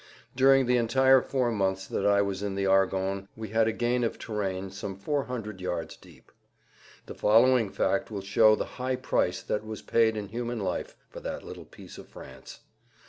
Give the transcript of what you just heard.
During the entire four months that I was in the Argonnes we had a gain of terrain some 400 yards deep. The following fact will show the high price that was paid in human life for that little piece of France.